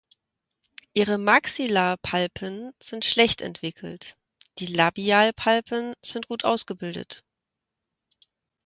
Ihre Maxillarpalpen sind schlecht entwickelt, die Labialpalpen sind gut ausgebildet.